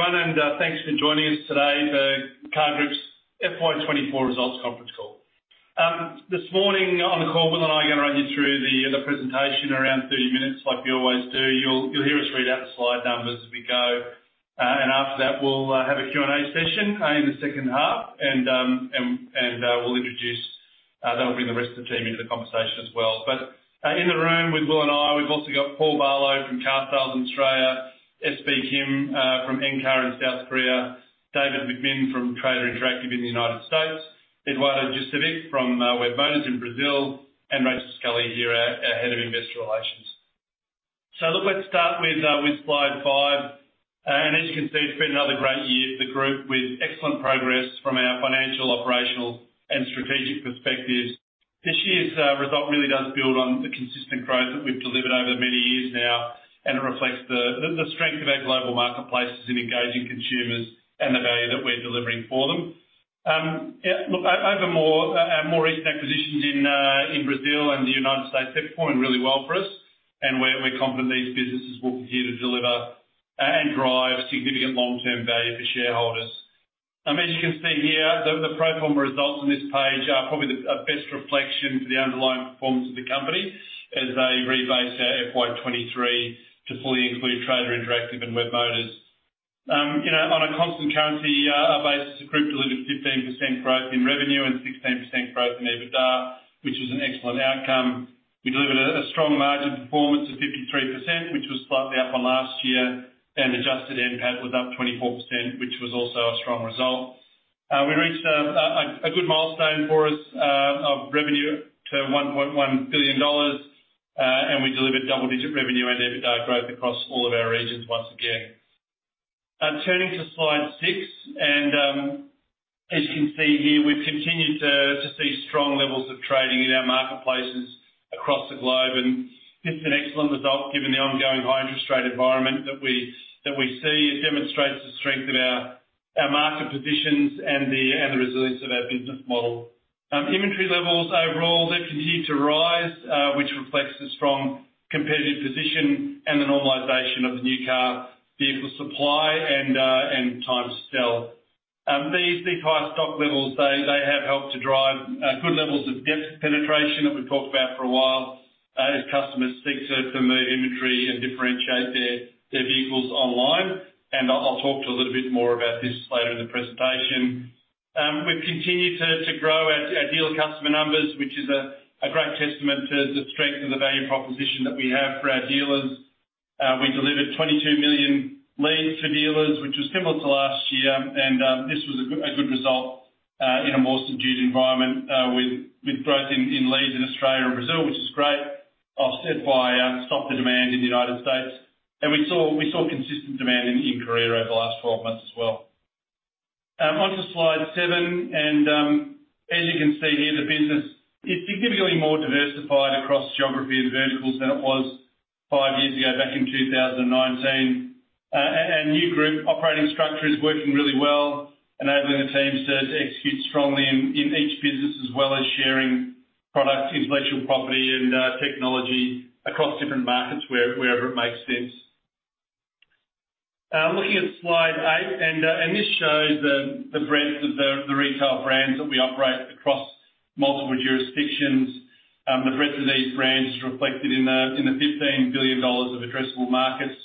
Hey, everyone, and thanks for joining us today, the CAR Group's FY 2024 results conference call. This morning on the call, Will and I are gonna run you through the presentation, around 30 minutes, like we always do. You'll hear us read out the slide numbers as we go, and after that, we'll have a Q&A session in the second half. We'll introduce, that'll bring the rest of the team into the conversation as well. But in the room with Will and I, we've also got Paul Barlow from carsales Australia, SB Kim from Encar in South Korea, David McMinn from Trader Interactive in the United States, Eduardo Jurcevic from Webmotors in Brazil, and Rachel Scully here, our Head of Investor Relations. So look, let's start with slide 5. And as you can see, it's been another great year for the group, with excellent progress from our financial, operational, and strategic perspectives. This year's result really does build on the consistent growth that we've delivered over many years now, and it reflects the strength of our global marketplaces in engaging consumers and the value that we're delivering for them. Yeah, look, over our more recent acquisitions in Brazil and the United States, they're performing really well for us, and we're confident these businesses will continue to deliver and drive significant long-term value for shareholders. As you can see here, the pro forma results on this page are probably the best reflection of the underlying performance of the company, as they rebase our FY 2023 to fully include Trader Interactive and Webmotors. You know, on a constant currency basis, the group delivered 15% growth in revenue and 16% growth in EBITDA, which is an excellent outcome. We delivered a strong margin performance of 53%, which was slightly up on last year, and adjusted NPAT was up 24%, which was also a strong result. We reached a good milestone for us of revenue to 1.1 billion dollars, and we delivered double-digit revenue and EBITDA growth across all of our regions once again. Turning to slide 6, as you can see here, we've continued to see strong levels of trading in our marketplaces across the globe, and this is an excellent result, given the ongoing high interest rate environment that we see. It demonstrates the strength of our market positions and the resilience of our business model. Inventory levels overall, they've continued to rise, which reflects the strong competitive position and the normalization of the new car vehicle supply and time to sell. These high stock levels, they have helped to drive good levels of depth penetration that we've talked about for a while, as customers seek to move inventory and differentiate their vehicles online. I'll talk to you a little bit more about this later in the presentation. We've continued to grow our dealer customer numbers, which is a great testament to the strength of the value proposition that we have for our dealers. We delivered 22 million leads to dealers, which was similar to last year, and this was a good result in a more subdued environment, with growth in leads in Australia and Brazil, which is great, offset by softer demand in the United States. We saw consistent demand in Korea over the last 12 months as well. Onto slide 7, and as you can see here, the business is significantly more diversified across geography and verticals than it was 5 years ago, back in 2019. And new group operating structure is working really well, enabling the teams to execute strongly in each business, as well as sharing product, intellectual property, and technology across different markets wherever it makes sense. Looking at slide 8, and this shows the breadth of the retail brands that we operate across multiple jurisdictions. The breadth of these brands is reflected in the 15 billion dollars of addressable markets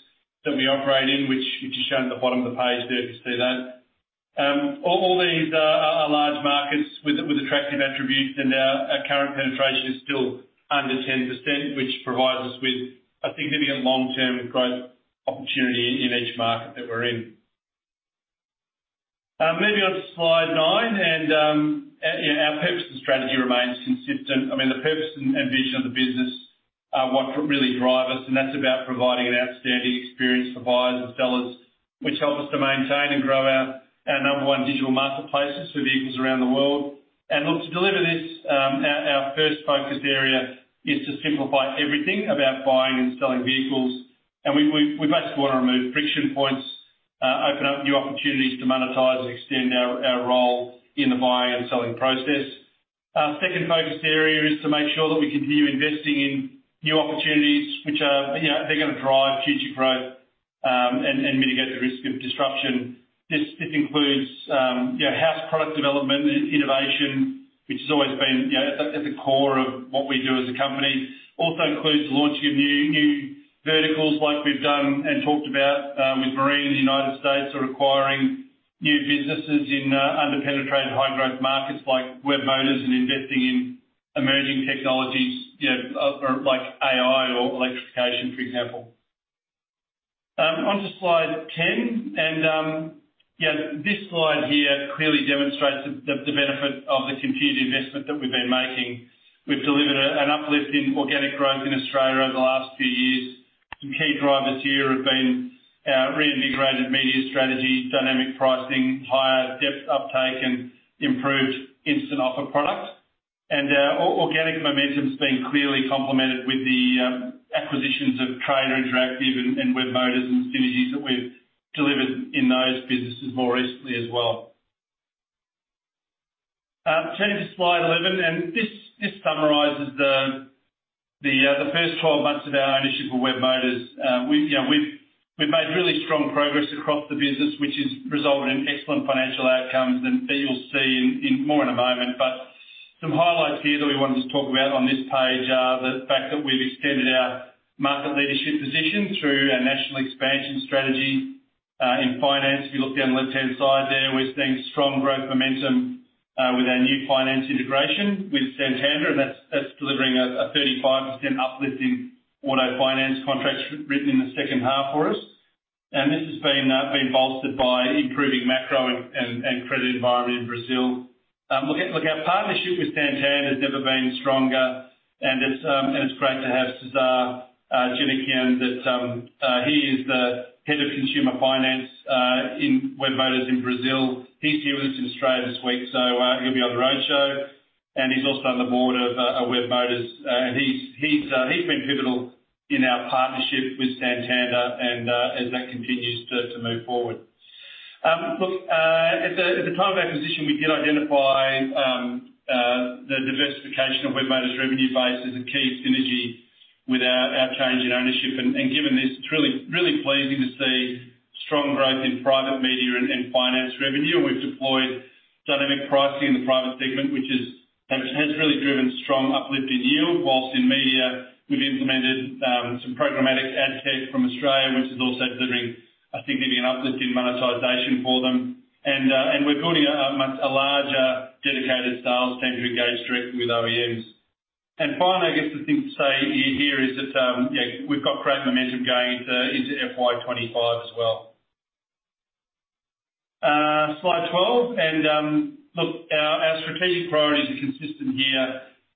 that we operate in, which is shown at the bottom of the page there, you see that. All these are large markets with attractive attributes, and our current penetration is still under 10%, which provides us with a significant long-term growth opportunity in each market that we're in. Moving on to slide 9, and yeah, our purpose and strategy remains consistent. I mean, the purpose and vision of the business are what really drive us, and that's about providing an outstanding experience for buyers and sellers, which helps us to maintain and grow our number one digital marketplaces for vehicles around the world. And look, to deliver this, our first focus area is to simplify everything about buying and selling vehicles. And we basically want to remove friction points, open up new opportunities to monetize and extend our role in the buying and selling process. Our second focus area is to make sure that we continue investing in new opportunities, which are... You know, they're gonna drive future growth, and mitigate the risk of disruption. This includes in-house product development and innovation, which has always been, you know, at the core of what we do as a company. It also includes the launching of new verticals, like we've done and talked about with marine in the United States, or acquiring new businesses in under-penetrated, high-growth markets like Webmotors, and investing in emerging technologies, you know, or like AI or electrification, for example. Onto slide 10, this slide here clearly demonstrates the benefit of the continued investment that we've been making. We've delivered an uplift in organic growth in Australia over the last few years. Some key drivers here have been our reinvigorated media strategy, dynamic pricing, higher depth uptake, and improved Instant Offer products. Organic momentum has been clearly complemented with the acquisitions of Trader Interactive and Webmotors, and synergies that we've delivered in those businesses more recently as well. Turn to slide 11, and this summarizes the first 12 months of our ownership of Webmotors. We've, you know, made really strong progress across the business, which has resulted in excellent financial outcomes that you'll see in more in a moment. But some highlights here that we wanted to talk about on this page are the fact that we've extended our market leadership position through our national expansion strategy in finance. If you look down the left-hand side there, we're seeing strong growth momentum with our new finance integration with Santander, and that's delivering a 35% uplift in auto finance contracts written in the second half for us. And this has been bolstered by improving macro and credit environment in Brazil. Look, our partnership with Santander has never been stronger, and it's great to have Cezar Janikian, he is the Head of Consumer Finance in Webmotors in Brazil. He's here with us in Australia this week, so he'll be on the roadshow, and he's also on the board of Webmotors. And he's been pivotal in our partnership with Santander, and as that continues to move forward. Look, at the time of acquisition, we did identify the diversification of Webmotors' revenue base as a key synergy with our change in ownership. And given this, it's really, really pleasing to see strong growth in private media and finance revenue. We've deployed dynamic pricing in the private segment, which has really driven strong uplift in yield. While in media, we've implemented some programmatic ad tech from Australia, which is also delivering a significant uplift in monetization for them. And we're building a much larger dedicated sales team to engage directly with OEMs. And finally, I guess the thing to say here is that, yeah, we've got great momentum going into FY 2025 as well. Slide 12. Look, our strategic priorities are consistent here,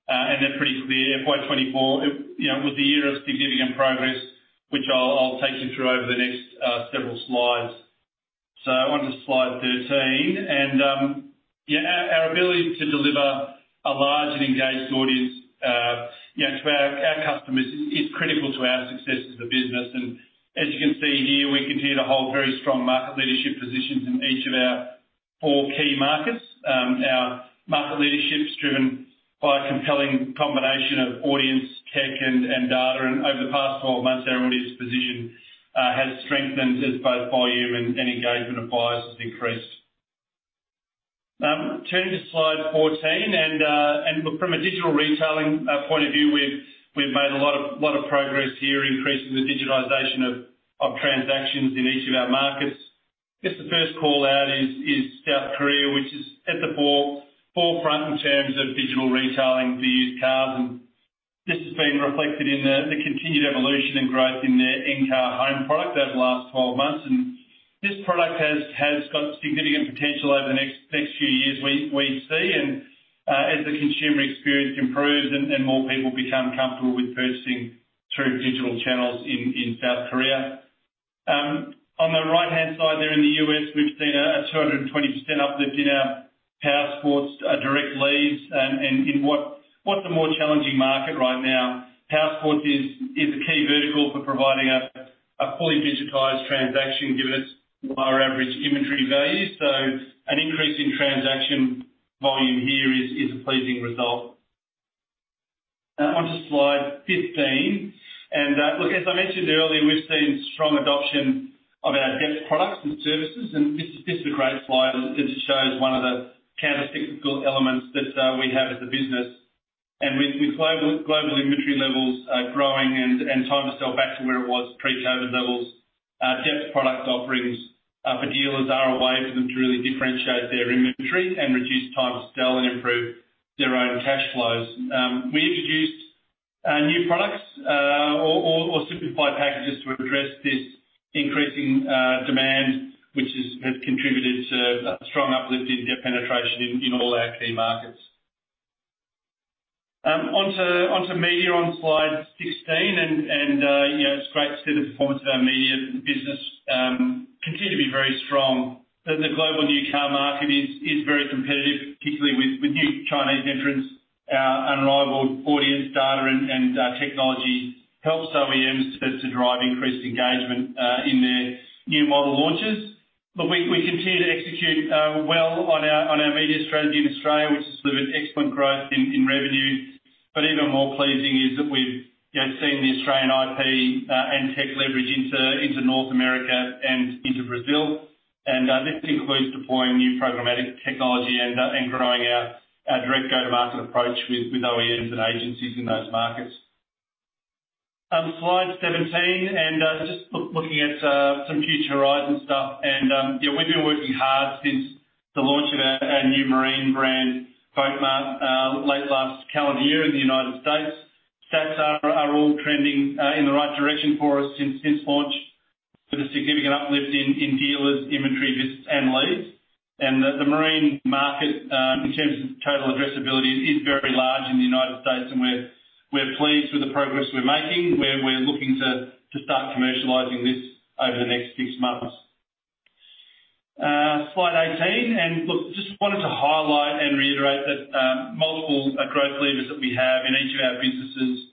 and they're pretty clear. FY 2024, you know, was the year of significant progress, which I'll take you through over the next several slides. So on to slide 13, and yeah, our ability to deliver a large and engaged audience, you know, to our customers is critical to our success as a business. As you can see here, we continue to hold very strong market leadership positions in each of our four key markets. Our market leadership's driven by a compelling combination of audience, tech, and data. Over the past 12 months, our audience position has strengthened as both volume and engagement of buyers has increased. Turning to slide 14, look, from a digital retailing point of view, we've made a lot of progress here, increasing the digitization of transactions in each of our markets. I guess the first call-out is South Korea, which is at the forefront in terms of digital retailing for used cars. And this has been reflected in the continued evolution and growth in their Encar Home product over the last 12 months. And this product has got significant potential over the next few years, we see. And as the consumer experience improves and more people become comfortable with purchasing through digital channels in South Korea. On the right-hand side there, in the U.S., we've seen a 220% uplift in our Powersports direct leads. In what's a more challenging market right now, Powersports is a key vertical for providing a fully digitized transaction, given its lower average inventory values. So an increase in transaction volume here is a pleasing result. Now, on to slide 15. Look, as I mentioned earlier, we've seen strong adoption of our Depth Products and Services, and this is a great slide that just shows one of the countercyclical elements that we have as a business. With global inventory levels growing and time to sell back to where it was pre-COVID levels, Depth Product offerings for dealers are a way for them to really differentiate their inventory and reduce time to sell and improve their own cash flows. We introduced new products or simplified packages to address this increasing demand, which has contributed to a strong uplift in depth penetration in all our key markets. Onto media on slide 16, and you know, it's great to see the performance of our media business continue to be very strong. But the global new car market is very competitive, particularly with new Chinese entrants. Our unrivaled audience data and technology helps OEMs to drive increased engagement in their new model launches. But we continue to execute well on our media strategy in Australia, which has delivered excellent growth in revenue. But even more pleasing is that we've, you know, seen the Australian IP and tech leverage into North America and into Brazil. This includes deploying new programmatic technology and growing our direct go-to-market approach with OEMs and agencies in those markets. Slide 17, just looking at some future horizon stuff. Yeah, we've been working hard since the launch of our new marine brand, Boatmart, late last calendar year in the United States. Stats are all trending in the right direction for us since launch, with a significant uplift in dealers, inventory, visits, and leads. The marine market, in terms of total addressability, is very large in the United States, and we're pleased with the progress we're making. We're looking to start commercializing this over the next six months. Slide 18, and look, just wanted to highlight and reiterate that, multiple growth levers that we have in each of our businesses.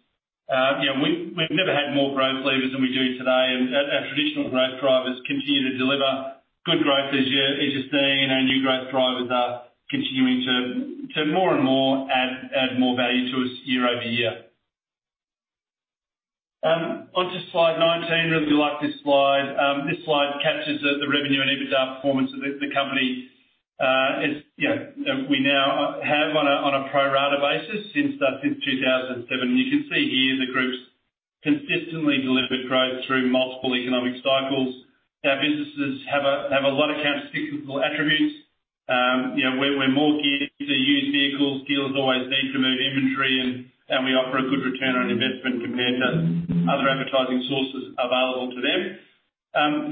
We've never had more growth levers than we do today, and our traditional growth drivers continue to deliver good growth as you're seeing, and our new growth drivers are continuing to more and more add more value to us year-over-year. Onto Slide 19. Really like this slide. This slide captures the revenue and EBITDA performance of the company. As you know, we now have on a pro rata basis since 2007. You can see here, the group's consistently delivered growth through multiple economic cycles. Our businesses have a lot of characteristics or attributes. You know, we're more geared to used vehicles. Dealers always need to move inventory, and we offer a good return on investment compared to other advertising sources available to them.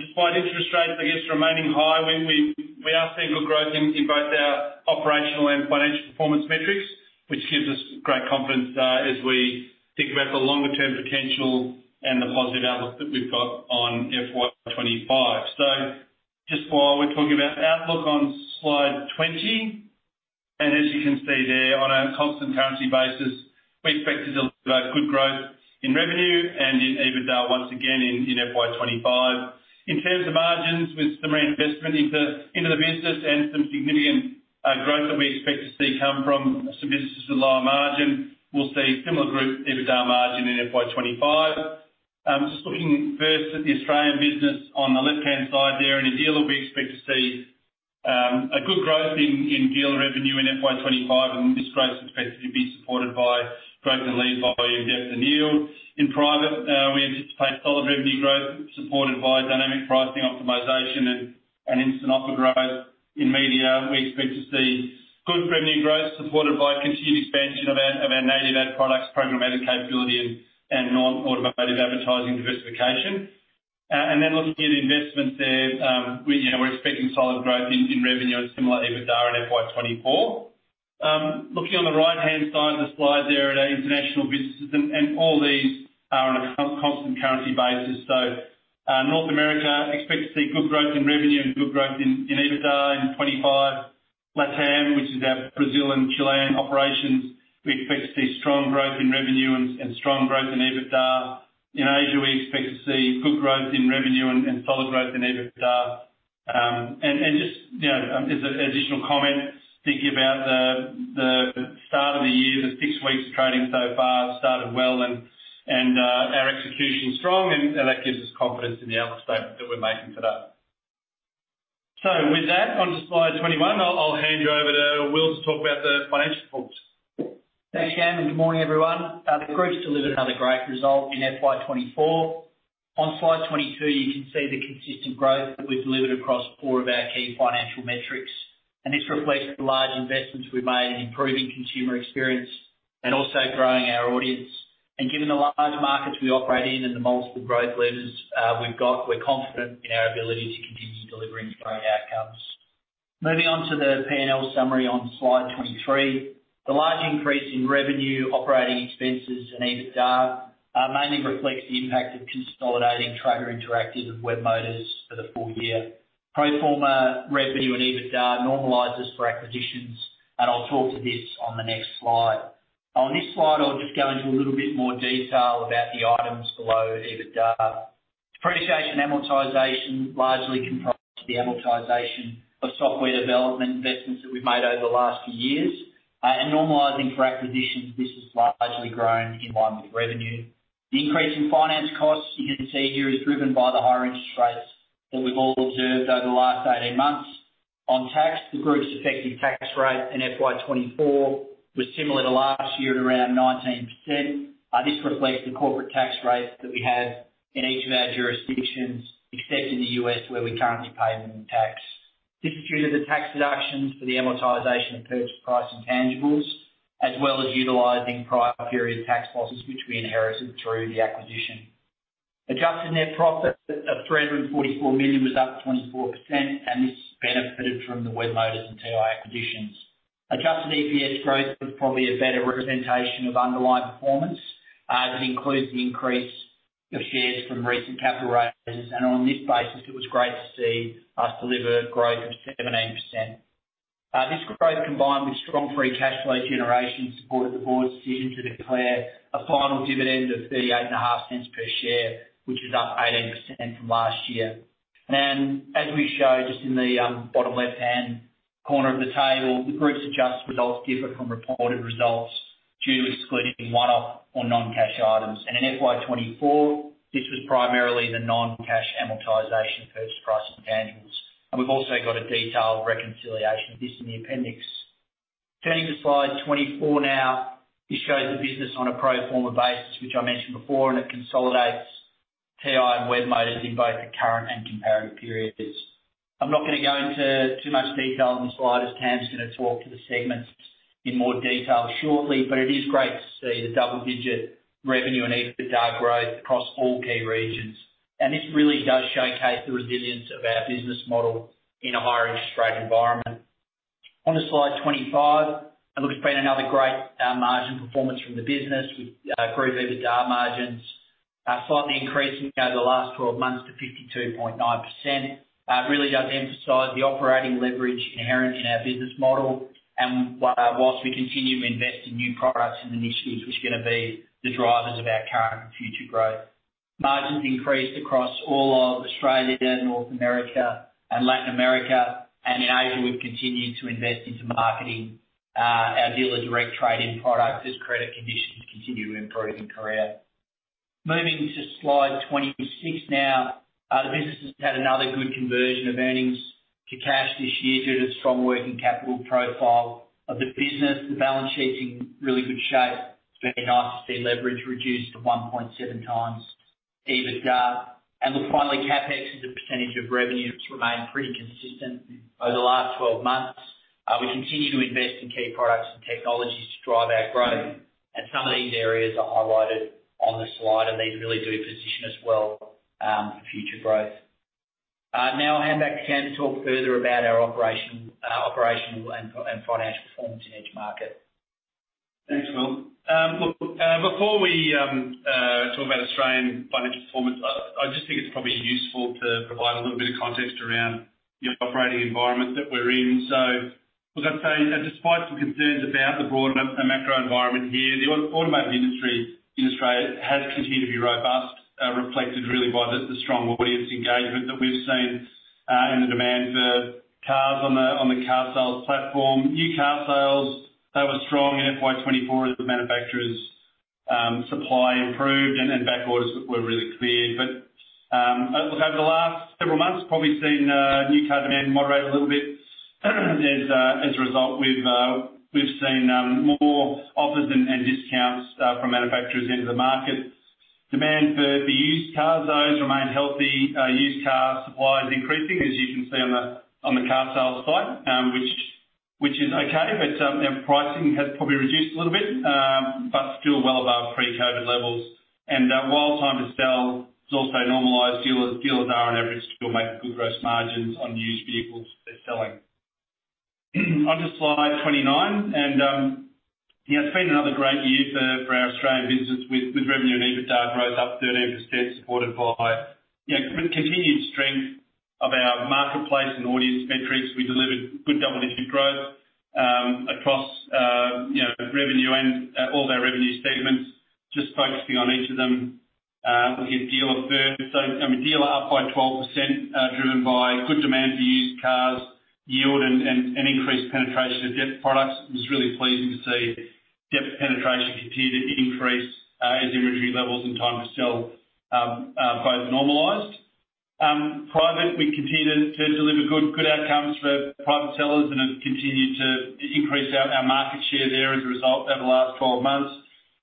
Despite interest rates, I guess, remaining high, we are seeing good growth in both our operational and financial performance metrics, which gives us great confidence as we think about the longer term potential and the positive outlook that we've got on FY 2025. So just while we're talking about outlook on Slide 20, and as you can see there, on a constant currency basis, we expect to deliver good growth in revenue and in EBITDA once again in FY 2025. In terms of margins, with some reinvestment into the business and some significant growth that we expect to see come from some businesses with lower margin, we'll see similar group EBITDA margin in FY 2025. Just looking first at the Australian business on the left-hand side there, in a year we expect to see a good growth in dealer revenue in FY 2025, and this growth is expected to be supported by growth in lead volume, depth, and yield. In private, we anticipate solid revenue growth, supported by dynamic pricing optimization and Instant Offer growth. In media, we expect to see good revenue growth, supported by continued expansion of our native ad products, programmatic capability, and non-automotive advertising diversification. And then looking at investment there, you know, we're expecting solid growth in revenue and similar EBITDA in FY 2024. Looking on the right-hand side of the slide there at our international businesses, and all these are on a constant currency basis. So, North America expects to see good growth in revenue and good growth in EBITDA in 25. LATAM, which is our Brazil and Chilean operations, we expect to see strong growth in revenue and strong growth in EBITDA. In Asia, we expect to see good growth in revenue and solid growth in EBITDA. Just, you know, as an additional comment, thinking about the start of the year, the six weeks of trading so far started well, and our execution's strong, and that gives us confidence in the outlook statement that we're making today. So with that, on to Slide 21. I'll hand you over to Will to talk about the financial reports. Thanks, Cam, and good morning, everyone. The group's delivered another great result in FY 2024. On Slide 22, you can see the consistent growth that we've delivered across four of our key financial metrics, and this reflects the large investments we've made in improving consumer experience and also growing our audience. And given the large markets we operate in and the multiple growth levers we've got, we're confident in our ability to continue delivering great outcomes. Moving on to the P&L summary on Slide 23, the large increase in revenue, operating expenses, and EBITDA mainly reflects the impact of consolidating Trader Interactive and Webmotors for the full year. Pro forma revenue and EBITDA normalizes for acquisitions, and I'll talk to this on the next slide. On this slide, I'll just go into a little bit more detail about the items below EBITDA. Depreciation and amortization largely comprise the amortization of software development investments that we've made over the last few years, and normalizing for acquisitions, this has largely grown in line with revenue. The increase in finance costs, you can see here, is driven by the higher interest rates that we've all observed over the last 18 months. On tax, the group's effective tax rate in FY 2024 was similar to last year, at around 19%. This reflects the corporate tax rates that we have in each of our jurisdictions, except in the U.S., where we currently pay more tax. This is due to the tax deductions for the amortization of purchase price intangibles, as well as utilizing prior period tax losses which we inherited through the acquisition. Adjusted Net Profit of 344 million was up 24%, and this benefited from the Webmotors and TI acquisitions. Adjusted EPS growth was probably a better representation of underlying performance. It includes the increase of shares from recent capital raises, and on this basis, it was great to see us deliver growth of 17%. This growth, combined with strong free cash flow generation, supported the board's decision to declare a final dividend of 0.305 per share, which is up 18% from last year. As we show just in the bottom left-hand corner of the table, the group's adjusted results differ from reported results due to excluding one-off or non-cash items. In FY 2024, this was primarily the non-cash amortization purchase price intangibles. We've also got a detailed reconciliation of this in the appendix. Turning to Slide 24 now. This shows the business on a pro forma basis, which I mentioned before, and it consolidates TI and Webmotors in both the current and comparative periods. I'm not going to go into too much detail on the slide, as Cam's going to talk to the segments in more detail shortly, but it is great to see the double-digit revenue and EBITDA growth across all key regions. And this really does showcase the resilience of our business model in a higher interest rate environment. On to Slide 25, and look, it's been another great, margin performance from the business with, group EBITDA margins, slightly increasing over the last twelve months to 52.9%. It really does emphasize the operating leverage inherent in our business model, and whilst we continue to invest in new products and initiatives, which are going to be the drivers of our current and future growth. Margins increased across all of Australia, North America, and Latin America. And in Asia, we've continued to invest into marketing our Dealer Direct trading product as credit conditions continue to improve in Korea. Moving to slide 26 now. The business has had another good conversion of earnings to cash this year due to the strong working capital profile of the business. The balance sheet's in really good shape. It's very nice to see leverage reduced to 1.7 times EBITDA. And look, finally, CapEx as a percentage of revenue. It's remained pretty consistent over the last 12 months. We continue to invest in key products and technologies to drive our growth, and some of these areas are highlighted on the slide, and these really do position us well, for future growth. Now I'll hand back to Cam to talk further about our operational and financial performance in each market. Thanks, Will. Look, before we talk about Australian financial performance, I just think it's probably useful to provide a little bit of context around the operating environment that we're in. So look, I'd say, despite some concerns about the broader macro environment here, the automotive industry in Australia has continued to be robust, reflected really by the strong audience engagement that we've seen in the demand for cars on the carsales platform. New car sales, they were strong in FY 2024 as the manufacturers' supply improved and back orders were really cleared. But over the last several months, probably seen new car demand moderate a little bit. As a result, we've seen more offers and discounts from manufacturers into the market. Demand for the used cars, those remain healthy. Used car supply is increasing, as you can see on the carsales site, which is okay, but their pricing has probably reduced a little bit, but still well above pre-COVID levels. And while time to sell has also normalized, dealers are, on average, still making good gross margins on used vehicles they're selling. Onto slide 29, and yeah, it's been another great year for our Australian business with revenue and EBITDA growth up 13%, supported by, you know, continued strength of our marketplace and audience metrics. We delivered good double-digit growth across, you know, revenue and all of our revenue statements. Just focusing on each of them, looking at dealer first. So, I mean, dealer up by 12%, driven by good demand for used cars, yield, and increased penetration of Depth Products. It was really pleasing to see depth penetration continue to increase, as inventory levels and time to sell both normalized. Private, we continued to deliver good outcomes for our private sellers and have continued to increase our market share there as a result over the last 12 months.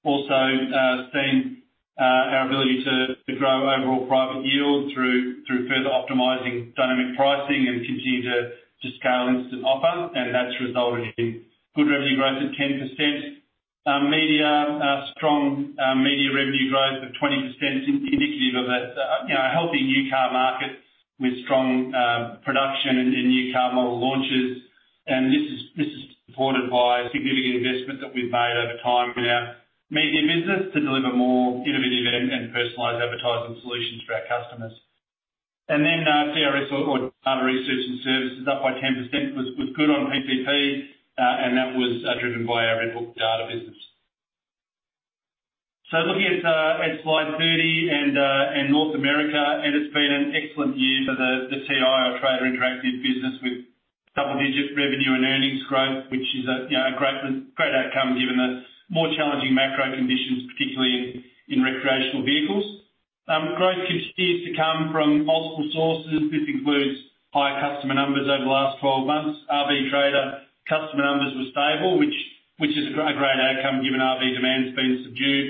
Also, seen our ability to grow overall private yield through further optimizing dynamic pricing and continue to scale Instant Offer, and that's resulted in good revenue growth of 10%. Media, strong media revenue growth of 20% is indicative of a, you know, a healthy new car market with strong production in new car model launches. This is supported by a significant investment that we've made over time in our media business, to deliver more innovative and personalized advertising solutions for our customers. And then, DRS or other research and services, up by 10%, was good on PPP, and that was driven by our RedBook data business. So looking at slide 30, and North America, it has been an excellent year for the TI, our Trader Interactive business, with double-digit revenue and earnings growth, which is, you know, a great outcome given the more challenging macro conditions, particularly in recreational vehicles. Growth continues to come from multiple sources. This includes higher customer numbers over the last 12 months. RV Trader customer numbers were stable, which is a great outcome, given RV demand's been subdued.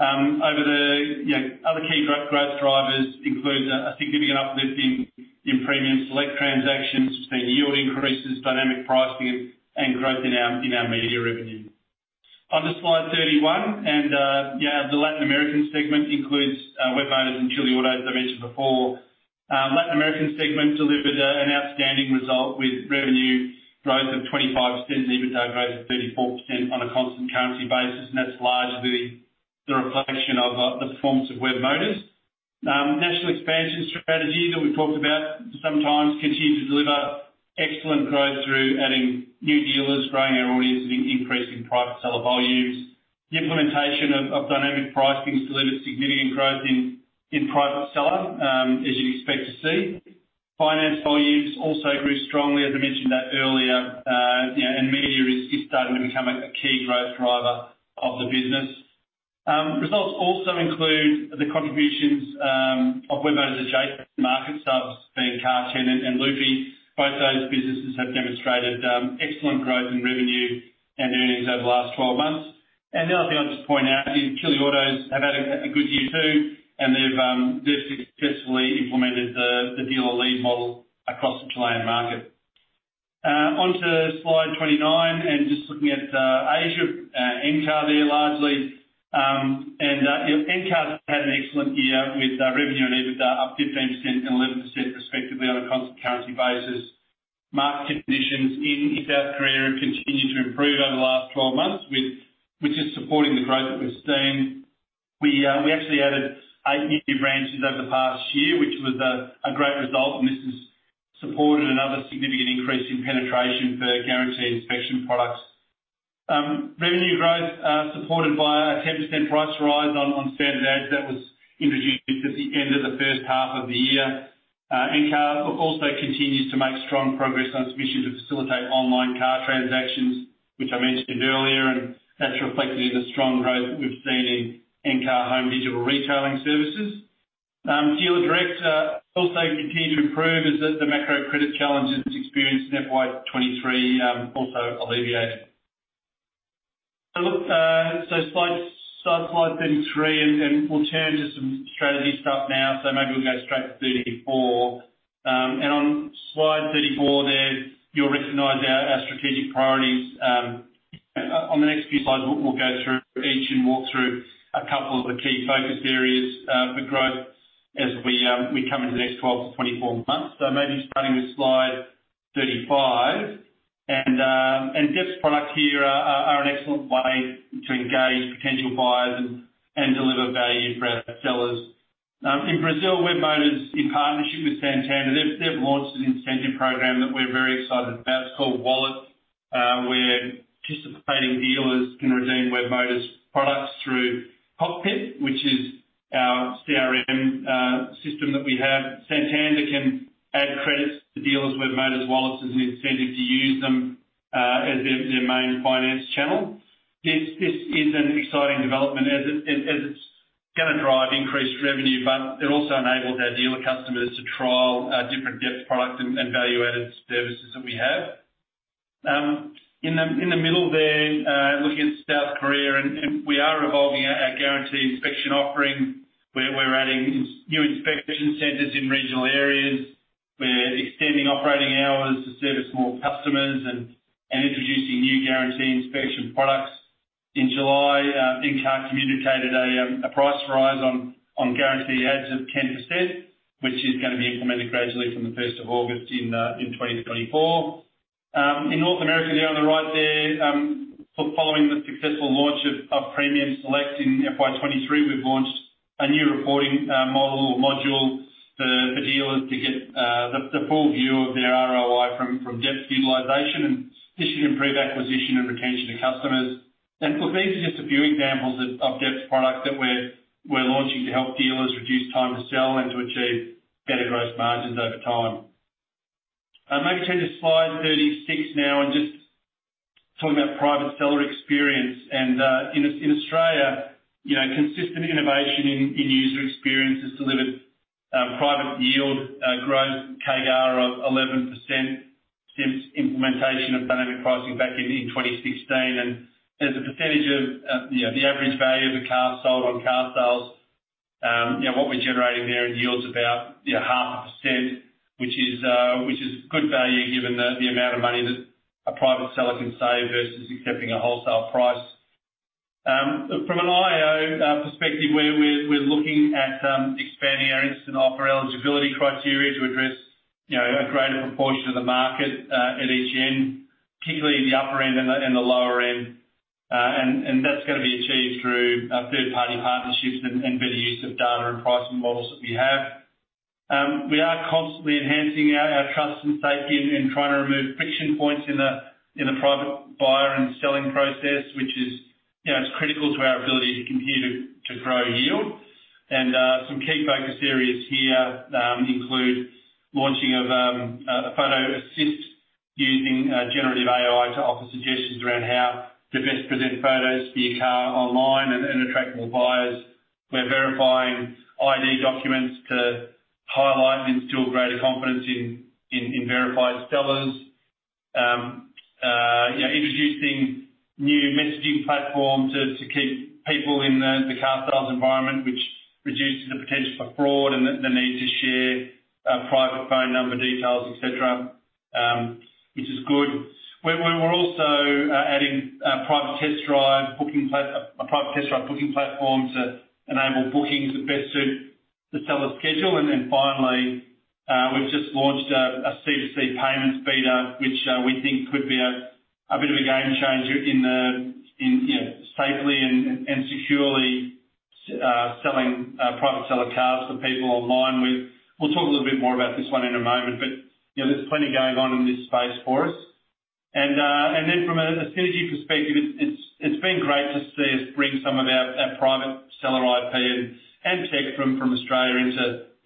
Other key growth drivers includes a significant uplift in Premium Select transactions between yield increases, dynamic pricing, and growth in our media revenue. Onto slide 31, and the Latin American segment includes Webmotors and Chileautos, as I mentioned before. Latin American segment delivered an outstanding result, with revenue growth of 25%, and EBITDA growth of 34% on a constant currency basis, and that's largely the reflection of the performance of Webmotors. National expansion strategy that we've talked about sometimes continues to deliver excellent growth through adding new dealers, growing our audience, and increasing private seller volumes. The implementation of dynamic pricing delivered significant growth in private seller, as you'd expect to see. Finance volumes also grew strongly, as I mentioned that earlier, you know, and media is starting to become a key growth driver of the business. Results also include the contributions of Webmotors, adjacent market subs, being Car10 and Loop. Both those businesses have demonstrated excellent growth in revenue and earnings over the last 12 months. The other thing I'll just point out is Chileautos have had a good year, too, and they've successfully implemented the dealer lead model across the Chilean market. Onto slide 29, and just looking at Asia, Encar there, largely. Encar's had an excellent year with revenue and EBITDA up 15% and 11% respectively on a constant currency basis. Market conditions in South Korea have continued to improve over the last 12 months, with which is supporting the growth that we've seen. We actually added 8 new branches over the past year, which was a great result, and this has supported another significant increase in penetration for guaranteed inspection products. Revenue growth supported by a 10% price rise on standard ads that was introduced at the end of the first half of the year. Encar also continues to make strong progress on submissions to facilitate online car transactions, which I mentioned earlier, and that's reflected in the strong growth that we've seen in Encar Home digital retailing services. Dealer direct also continued to improve as the macro credit challenges experienced in FY 2023 also alleviated. So look, slide 33, and we'll turn to some strategy stuff now. So maybe we'll go straight to 34. And on slide 34 there, you'll recognize our strategic priorities. On the next few slides, we'll go through each and walk through a couple of the key focus areas for growth as we come into the next 12-24 months. So maybe starting with slide 35. Depth Products here are an excellent way to engage potential buyers and deliver value for our sellers. In Brazil, Webmotors, in partnership with Santander, they've launched an incentive program that we're very excited about. It's called Wallet, where participating dealers can redeem Webmotors products through Cockpit, which is our CRM system that we have. Santander can add credits to dealers' Webmotors wallets as an incentive to use them as their main finance channel. This is an exciting development as it's gonna drive increased revenue, but it also enables our dealer customers to trial different Depth Products and value-added services that we have. In the middle there, looking at South Korea, and we are evolving our Guarantee inspection offering, where we're adding new inspection centers in regional areas. We're extending operating hours to service more customers and introducing new Guarantee inspection products. In July, Encar communicated a price rise on Guarantee ads of 10%, which is gonna be implemented gradually from the first of August in 2024. In North America, there on the right there, following the successful launch of Premium Select in FY 2023, we've launched a new reporting model or module for dealers to get the full view of their ROI from depth utilization, and this should improve acquisition and retention of customers. Look, these are just a few examples of depth product that we're launching to help dealers reduce time to sell and to achieve better gross margins over time. Maybe turn to slide 36 now, and just talking about private seller experience. In Australia, you know, consistent innovation in user experience has delivered private yield growth CAGR of 11% since implementation of dynamic pricing back in 2016. As a percentage of, you know, the average value of a car sold on carsales, you know, what we're generating there in yield's about 0.5%, which is good value, given the amount of money that a private seller can save versus accepting a wholesale price. From an IO perspective, we're looking at expanding our Instant Offer eligibility criteria to address, you know, a greater proportion of the market at each end, particularly in the upper end and the lower end. And that's gonna be achieved through third-party partnerships and better use of data and pricing models that we have. We are constantly enhancing our trust and safety in trying to remove friction points in the private buyer and selling process, which is, you know, it's critical to our ability to continue to grow yield. And some key focus areas here include launching of a Photo Assist using generative AI to offer suggestions around how to best present photos for your car online and attract more buyers. We're verifying ID documents to highlight and instill greater confidence in verified sellers. You know, introducing new messaging platform to, to keep people in the, the car sales environment, which reduces the potential for fraud and the, the need to share, private phone number details, et cetera, which is good. We're, we're also, adding a private test drive booking platform to enable bookings that best suit the seller's schedule. And, and finally, we've just launched a, a C2C payments beta, which, we think could be a, a bit of a game changer in the, in, you know, safely and, and securely, selling, private seller cars for people online. We'll talk a little bit more about this one in a moment, but, you know, there's plenty going on in this space for us. Then from a synergy perspective, it's been great to see us bring some of our private seller IP and tech from Australia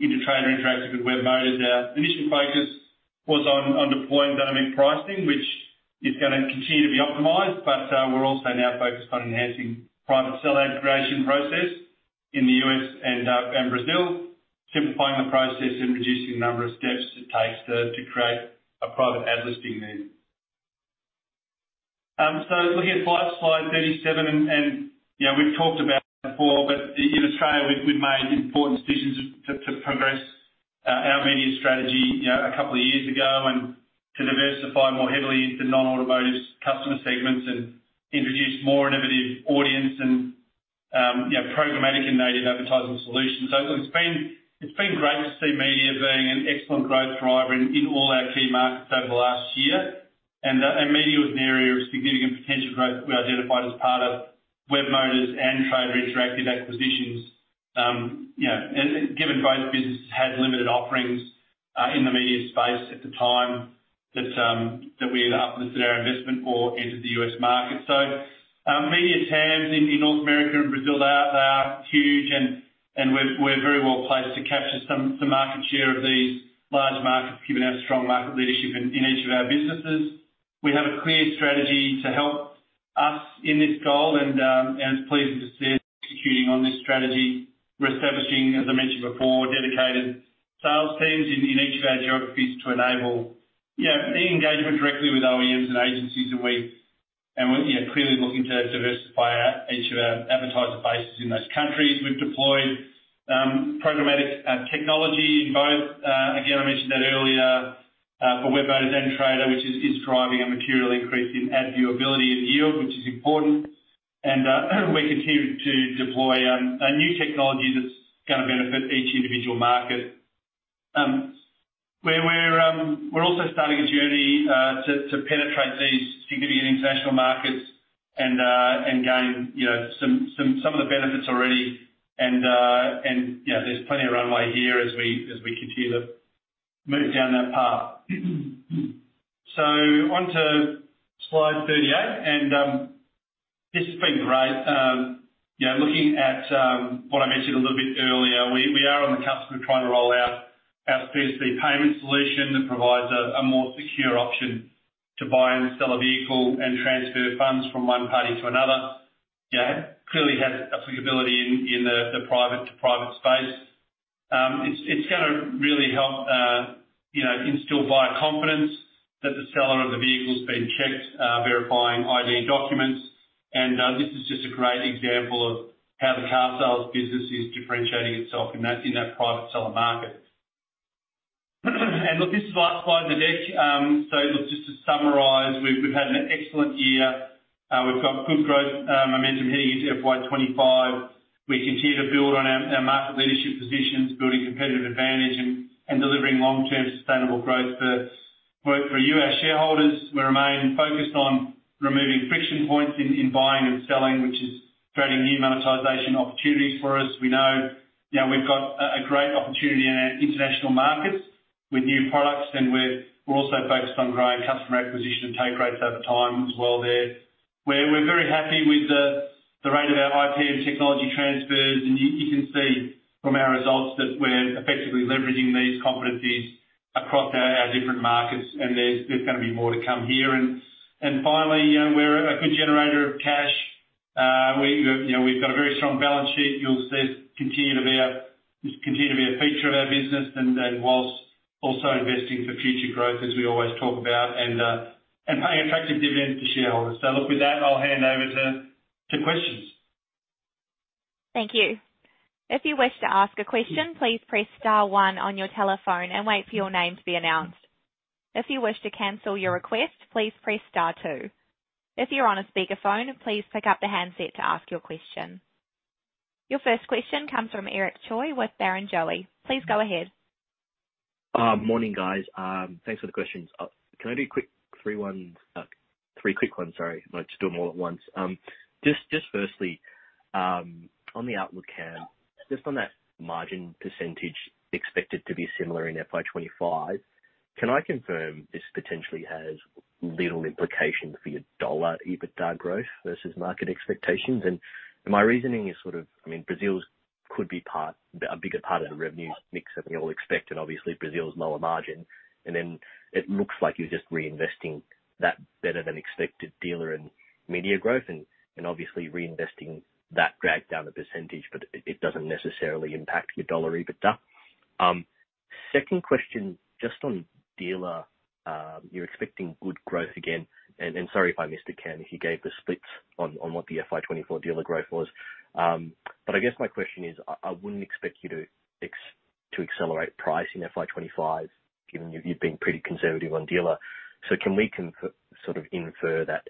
into Trader Interactive and Webmotors. Our initial focus was on deploying dynamic pricing, which is gonna continue to be optimized, but we're also now focused on enhancing private seller creation process in the U.S. and Brazil, simplifying the process and reducing the number of steps it takes to create a private ad listing there. So looking at slide 37, you know, we've talked about this before, but in Australia, we've made important decisions to progress our media strategy, you know, a couple of years ago, and to diversify more heavily into non-automotive customer segments and introduce more innovative audience and, you know, programmatic and native advertising solutions. So it's been great to see media being an excellent growth driver in all our key markets over the last year. And media was an area of significant potential growth that we identified as part of Webmotors' and Trader Interactive acquisitions. You know, and given both businesses had limited offerings in the media space at the time that we either uplisted our investment or entered the U.S. market. So, media TAMs in North America and Brazil, they are huge, and we're very well placed to capture some market share of these large markets, given our strong market leadership in each of our businesses. We have a clear strategy to help us in this goal, and pleased to see us executing on this strategy. We're establishing, as I mentioned before, dedicated sales teams in each of our geographies to enable, you know, the engagement directly with OEMs and agencies that we. And we're, you know, clearly looking to diversify our each of our advertiser bases in those countries. We've deployed programmatic technology in both. Again, I mentioned that earlier, for Webmotors and Trader, which is driving a material increase in ad viewability and yield, which is important. We continue to deploy new technology that's gonna benefit each individual market. We're also starting a journey to penetrate these significant international markets and gain, you know, some of the benefits already. You know, there's plenty of runway here as we continue to move down that path. So on to slide 38, and this has been great. You know, looking at what I mentioned a little bit earlier, we are on the cusp of trying to roll out our PSP payment solution that provides a more secure option to buy and sell a vehicle and transfer funds from one party to another. Yeah, clearly has applicability in the private-to-private space. It's gonna really help, you know, instill buyer confidence that the seller of the vehicle's been checked, verifying ID documents, and this is just a great example of how the carsales business is differentiating itself in that private seller market. Look, this is last slide of the deck. So look, just to summarize, we've had an excellent year. We've got good growth momentum heading into FY 2025. We continue to build on our market leadership positions, building competitive advantage, and delivering long-term sustainable growth for you, our shareholders. We remain focused on removing friction points in buying and selling, which is creating new monetization opportunities for us. We know, you know, we've got a great opportunity in our international markets with new products, and we're also focused on growing customer acquisition and take rates over time as well there. We're very happy with the rate of our IP and technology transfers, and you can see from our results that we're effectively leveraging these competencies across our different markets, and there's gonna be more to come here. And finally, we're a good generator of cash. We've, you know, we've got a very strong balance sheet. You'll see this continue to be a feature of our business and whilst also investing for future growth, as we always talk about, and paying attractive dividends to shareholders. So look, with that, I'll hand over to questions. Thank you. If you wish to ask a question, please press star one on your telephone and wait for your name to be announced. If you wish to cancel your request, please press star two. If you're on a speakerphone, please pick up the handset to ask your question. Your first question comes from Eric Choi with Barrenjoey. Please go ahead. Morning, guys. Thanks for the questions. Can I do a quick three ones? Three quick ones, sorry. I'd like to do them all at once. Just firstly, on the outlook, Cam, just on that margin percentage expected to be similar in FY 2025, can I confirm this potentially has little implication for your dollar EBITDA growth versus market expectations? And my reasoning is sort of, I mean, Brazil could be part, a bigger part of the revenue mix than you all expect, and obviously Brazil is lower margin. And then it looks like you're just reinvesting that better-than-expected dealer and media growth, and obviously reinvesting that drag down the percentage, but it doesn't necessarily impact your dollar EBITDA. Second question, just on dealer, you're expecting good growth again, and sorry if I missed it, Cam, if you gave the splits on what the FY 2024 dealer growth was. But I guess my question is, I wouldn't expect you to accelerate price in FY 2025, given you've been pretty conservative on dealer. So can we sort of infer that,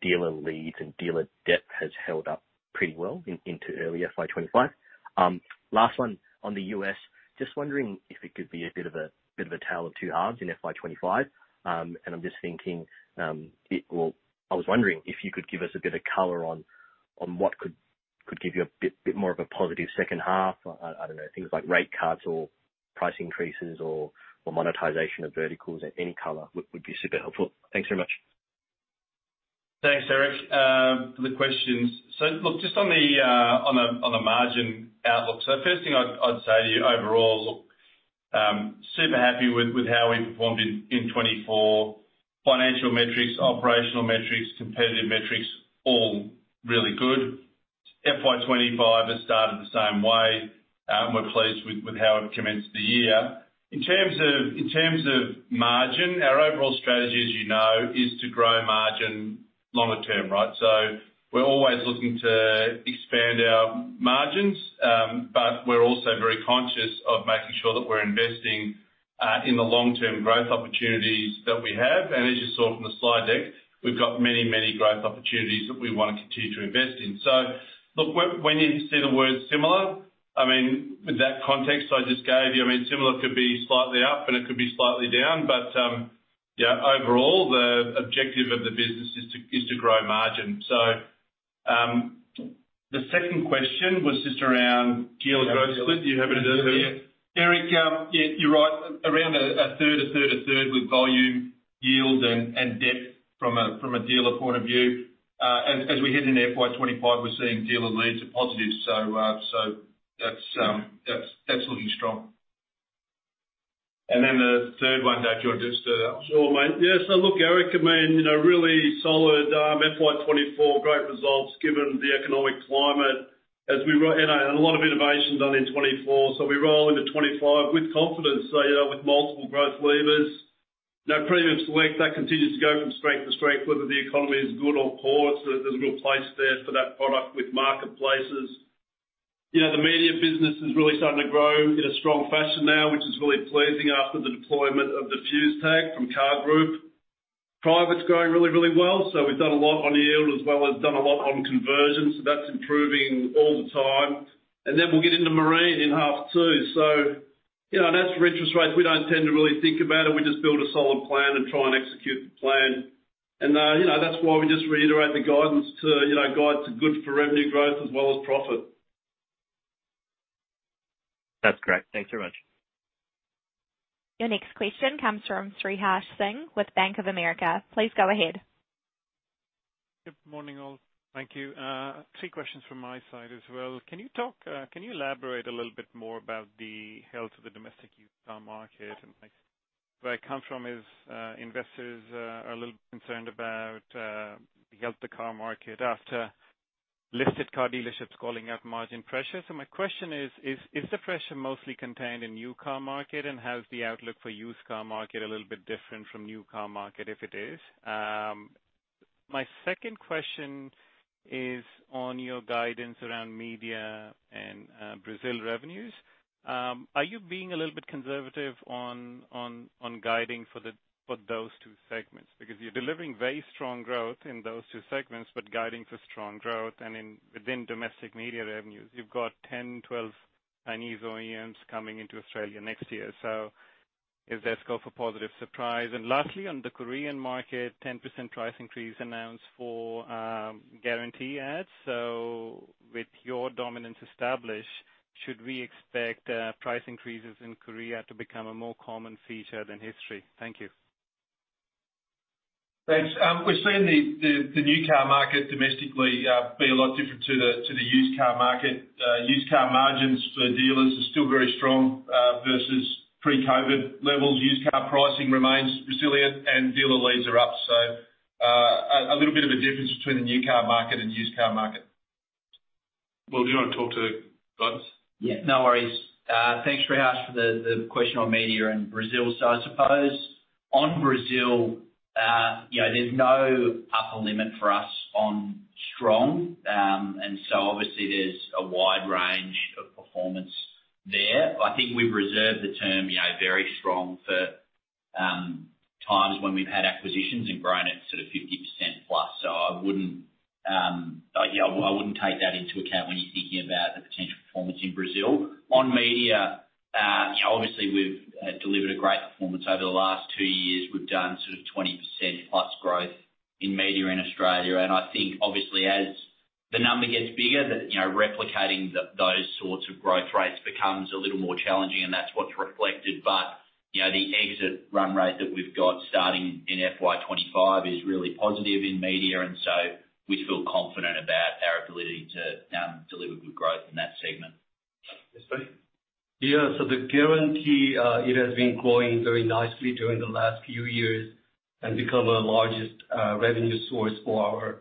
dealer leads and dealer depth has held up pretty well into early FY 2025? Last one, on the U.S., just wondering if it could be a bit of a tale of two halves in FY 2025. And I'm just thinking, well, I was wondering if you could give us a bit of color on what could give you a bit more of a positive second half. I don't know, things like rate cuts or price increases or monetization of verticals. Any color would be super helpful. Thanks very much. Thanks, Eric, for the questions. So look, just on the margin outlook. So the first thing I'd say to you overall, look, super happy with how we performed in 2024. Financial metrics, operational metrics, competitive metrics, all really good. FY 2025 has started the same way, we're pleased with how it commenced the year. In terms of margin, our overall strategy, as you know, is to grow margin longer term, right? So we're always looking to expand our margins, but we're also very conscious of making sure that we're investing in the long-term growth opportunities that we have. And as you saw from the slide deck, we've got many, many growth opportunities that we want to continue to invest in. So look, when you see the word similar, I mean, with that context I just gave you, I mean, similar could be slightly up, and it could be slightly down, but yeah, overall, the objective of the business is to grow margin. The second question was just around dealer growth split. Do you happen to know? Eric, yeah, you're right. Around a third, a third, a third, with volume, yield, and depth from a dealer point of view. As we head into FY 2025, we're seeing dealer leads are positive. So that's absolutely strong. And then the third one, just- Sure, mate. Yeah, so look, Eric, I mean, you know, really solid FY 24. Great results, given the economic climate and a lot of innovation done in 2024. So we roll into 2025 with confidence, so, you know, with multiple growth levers. Now, Premium Select, that continues to go from strength to strength, whether the economy is good or poor. So there's a real place there for that product with marketplaces. You know, the media business is really starting to grow in a strong fashion now, which is really pleasing after the deployment of the Fuse tag from CAR Group. Private's growing really, really well, so we've done a lot on yield as well as done a lot on conversion. So that's improving all the time. And then we'll get into marine in half two. So, you know, as for interest rates, we don't tend to really think about it. We just build a solid plan and try and execute the plan. You know, that's why we just reiterate the guidance to, you know, guide to good for revenue growth as well as profit. That's correct. Thanks very much. Your next question comes from Sriharsh Singh with Bank of America. Please go ahead. Good morning, all. Thank you. Three questions from my side as well. Can you talk, can you elaborate a little bit more about the health of the domestic used car market? And where I come from is, investors, are a little concerned about, the health of the car market after listed car dealerships calling out margin pressure. So my question is: is the pressure mostly contained in new car market? And has the outlook for used car market a little bit different from new car market, if it is? My second question is on your guidance around media and, Brazil revenues. Are you being a little bit conservative on guiding for the, for those two segments? Because you're delivering very strong growth in those two segments, but guiding for strong growth. Within domestic media revenues, you've got 10, 12 Chinese OEMs coming into Australia next year. So is there scope for positive surprise? And lastly, on the Korean market, 10% price increase announced for Guarantee ads. So with your dominance established, should we expect price increases in Korea to become a more common feature than history? Thank you. Thanks. We're seeing the new car market domestically be a lot different to the used car market. Used car margins for dealers are still very strong versus pre-COVID levels. Used car pricing remains resilient, and dealer leads are up. So, a little bit of a difference between the new car market and used car market. Well, do you want to talk to guidance? Yeah, no worries. Thanks, Sriharsh, for the question on media and Brazil. So I suppose on Brazil, you know, there's no upper limit for us on strong. And so obviously there's a wide range of performance there. I think we've reserved the term, you know, very strong, for times when we've had acquisitions and grown at sort of 50%+. So I wouldn't, you know, I wouldn't take that into account when you're thinking about the potential performance in Brazil. On media, you know, obviously, we've delivered a great performance over the last two years. We've done sort of 20%+ growth in media in Australia, and I think obviously as the number gets bigger, that, you know, replicating those sorts of growth rates becomes a little more challenging, and that's what's reflected. But, you know, the exit run rate that we've got starting in FY 2025 is really positive in media, and so we feel confident about our ability to deliver good growth in that segment. SB? Yeah, so the Guarantee, it has been growing very nicely during the last few years and become our largest, revenue source for our,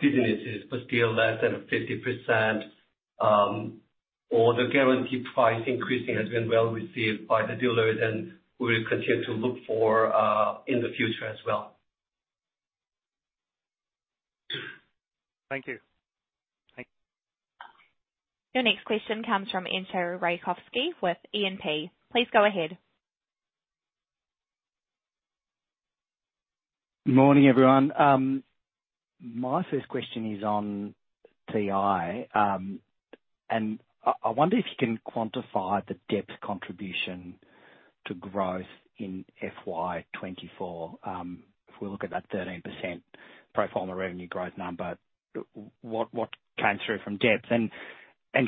businesses, but still less than 50%. Or the Guarantee price increasing has been well received by the dealers, and we'll continue to look for, in the future as well. Thank you. Thank you. Your next question comes from Entcho Raykovski with E&P. Please go ahead. Morning, everyone. My first question is on TI. And I wonder if you can quantify the depth contribution to growth in FY 2024. If we look at that 13% pro forma revenue growth number, what came through from depth? And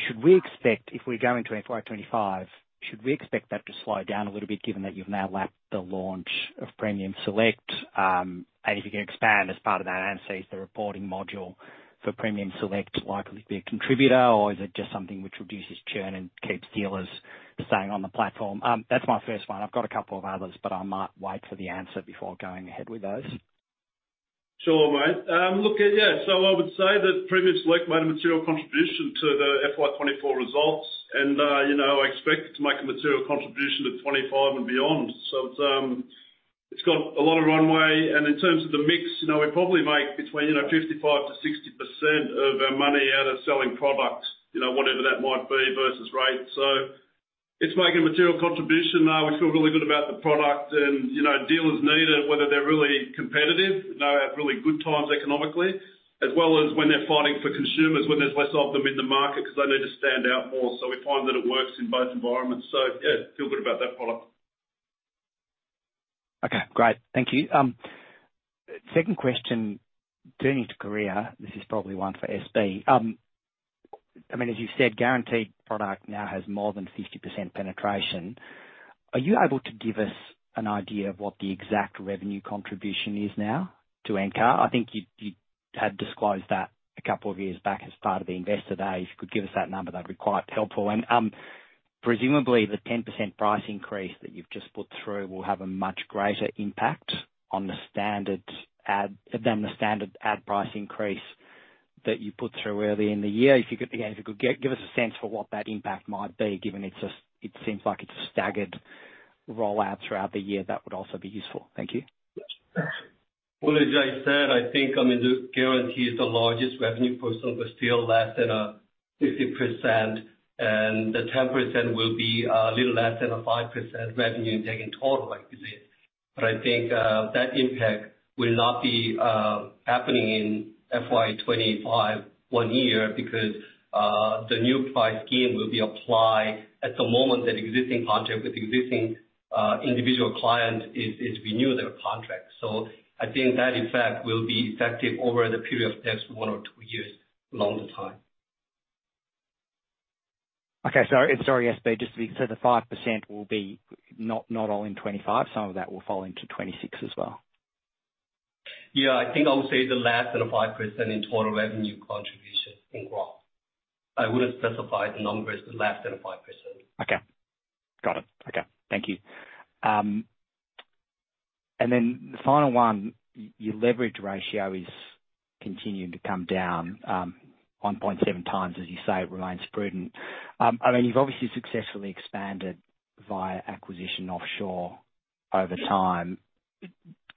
should we expect... If we go into FY 2025, should we expect that to slow down a little bit, given that you've now lapped the launch of Premium Select? And if you can expand as part of that analysis, the reporting module for Premium Select likely to be a contributor, or is it just something which reduces churn and keeps dealers staying on the platform? That's my first one. I've got a couple of others, but I might wait for the answer before going ahead with those. Sure, mate. Look, yeah, so I would say that Premium Select made a material contribution to the FY 2024 results, and, you know, I expect it to make a material contribution to 2025 and beyond. So it's, it's got a lot of runway. And in terms of the mix, you know, we probably make between, you know, 55%-60% of our money out of selling products, you know, whatever that might be, versus rates. So it's making a material contribution. We feel really good about the product, and, you know, dealers need it, whether they're really competitive, you know, have really good times economically, as well as when they're fighting for consumers, when there's less of them in the market, because they need to stand out more. So we find that it works in both environments. So, yeah, feel good about that product.... Okay, great. Thank you. Second question, turning to Korea, this is probably one for SB. I mean, as you said, guaranteed product now has more than 50% penetration. Are you able to give us an idea of what the exact revenue contribution is now to Encar? I think you, you had disclosed that a couple of years back as part of the Investor Day. If you could give us that number, that'd be quite helpful. And, presumably, the 10% price increase that you've just put through will have a much greater impact on the standard ad- than the standard ad price increase that you put through early in the year. If you could, again, if you could give us a sense for what that impact might be, given it seems like it's a staggered rollout throughout the year, that would also be useful. Thank you. Well, as I said, I think, I mean, the Guarantee is the largest revenue portion, but still less than 50%, and the 10% will be a little less than a 5% revenue take in total, I could say. But I think that impact will not be happening in FY 2025, one year, because the new price scheme will be applied at the moment an existing contract with existing individual clients is to renew their contract. So I think that, in fact, will be effective over the period of next one or two years, longer time. Okay. So sorry, SB, just so the 5% will be not, not all in 2025, some of that will fall into 2026 as well? Yeah, I think I would say it's less than a 5% in total revenue contribution in growth. I wouldn't specify the numbers, less than a 5%. Okay. Got it. Okay. Thank you. And then the final one, your leverage ratio is continuing to come down, 1.7 times, as you say, it remains prudent. I mean, you've obviously successfully expanded via acquisition offshore over time.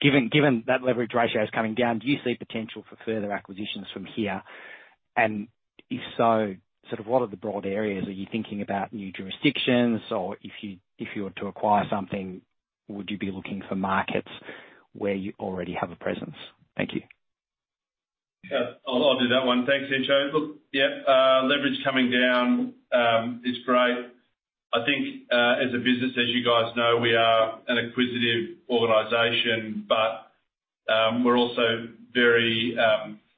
Given that leverage ratio is coming down, do you see potential for further acquisitions from here? And if so, sort of what are the broad areas? Are you thinking about new jurisdictions, or if you were to acquire something, would you be looking for markets where you already have a presence? Thank you. Yeah, I'll do that one. Thanks, Entcho. Look, yeah, leverage coming down is great. I think, as a business, as you guys know, we are an acquisitive organization, but we're also very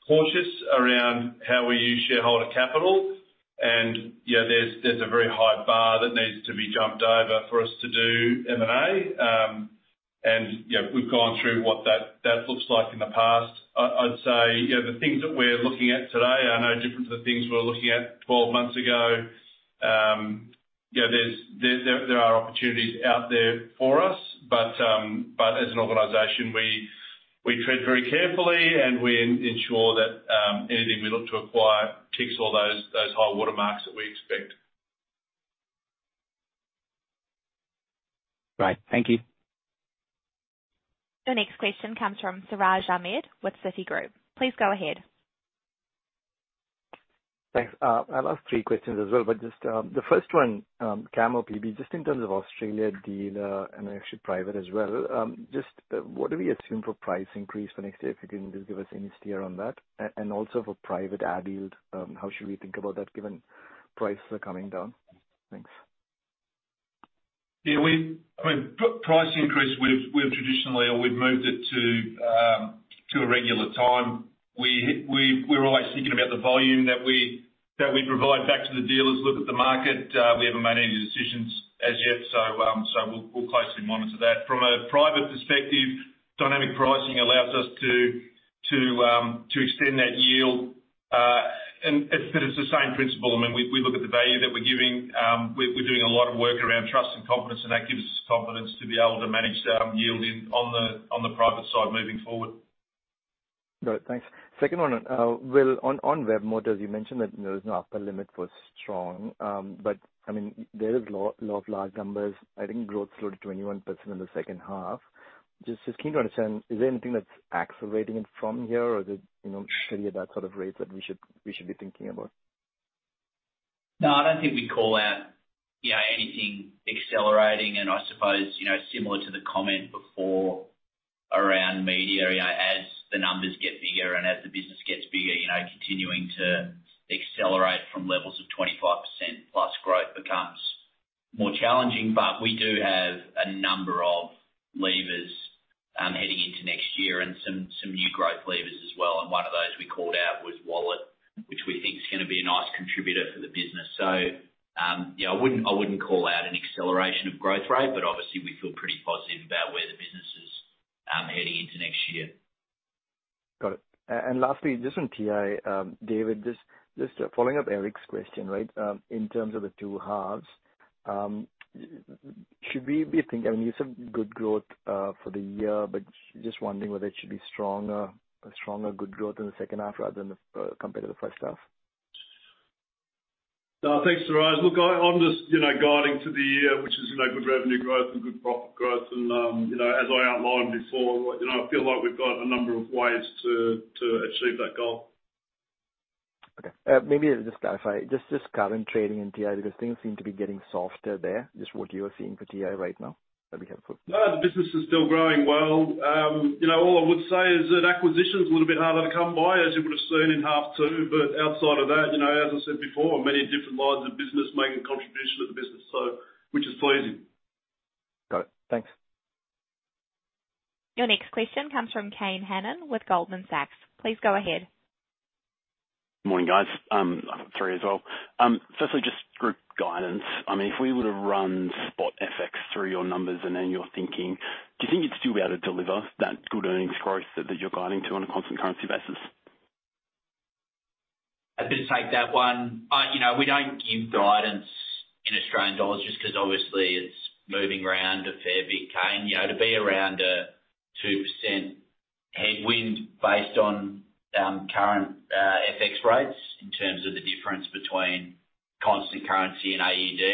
cautious around how we use shareholder capital. And, you know, there's a very high bar that needs to be jumped over for us to do M&A, and, you know, we've gone through what that looks like in the past. I'd say, you know, the things that we're looking at today are no different to the things we were looking at 12 months ago. You know, there are opportunities out there for us, but as an organization, we tread very carefully, and we ensure that anything we look to acquire ticks all those high watermarks that we expect. Right. Thank you. The next question comes from Siraj Ahmed with Citigroup. Please go ahead. Thanks. I'll ask three questions as well, but just the first one, Cam or PB, just in terms of Australia Dealer, and actually private as well, just what do we assume for price increase for next year? If you can just give us any steer on that. And also for private ad yield, how should we think about that, given prices are coming down? Thanks. Yeah, we—I mean, price increase, we've traditionally, or we've moved it to a regular time. We're always thinking about the volume that we provide back to the dealers. Look at the market, we haven't made any decisions as yet, so we'll closely monitor that. From a private perspective, dynamic pricing allows us to extend that yield, and but it's the same principle. I mean, we look at the value that we're giving. We're doing a lot of work around trust and confidence, and that gives us confidence to be able to manage the yield on the private side moving forward. Got it. Thanks. Second one, Will, on Webmotors, you mentioned that there is an upper limit for strong, but I mean, there is a lot, a lot of large numbers. I think growth slowed to 21% in the second half. Just keen to understand, is there anything that's accelerating it from here, or is it, you know, steady at that sort of rate that we should be thinking about? No, I don't think we call out, you know, anything accelerating. I suppose, you know, similar to the comment before around media, you know, as the numbers get bigger and as the business gets bigger, you know, continuing to accelerate from levels of 25% plus growth becomes more challenging. But we do have a number of levers, heading into next year and some new growth levers as well, and one of those we called out was Wallet, which we think is gonna be a nice contributor for the business. So, you know, I wouldn't call out an acceleration of growth rate, but obviously we feel pretty positive about where the business is, heading into next year. Got it. And lastly, just on TI, David, just following up Eric's question, right? In terms of the two halves, should we be thinking... I mean, it's a good growth for the year, but just wondering whether it should be a stronger good growth in the second half rather than compared to the first half. Thanks, Siraj. Look, I'm just, you know, guiding to the year, which is, you know, good revenue growth and good profit growth. As I outlined before, you know, I feel like we've got a number of ways to achieve that goal. Okay, maybe just clarify current trading in TI, because things seem to be getting softer there. Just what you are seeing for TI right now, that'd be helpful. Well, the business is still growing well. You know, I would say is that acquisition's a little bit harder to come by, as you would've seen in half two. But outside of that, you know, as I said before, many different lines of business making contribution to the business, so which is pleasing. Got it. Thanks. Your next question comes from Kane Hannan with Goldman Sachs. Please go ahead. Morning, guys. Three as well. Firstly, just group guidance. I mean, if we were to run spot FX through your numbers and in your thinking, do you think you'd still be able to deliver that good earnings growth that, that you're guiding to on a constant currency basis? I'll just take that one. You know, we don't give guidance in Australian dollars, just 'cause obviously it's moving around a fair bit, Kane. You know, to be around a 2% headwind based on current FX rates in terms of the difference between constant currency and AUD.